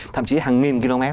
thậm chí hàng nghìn km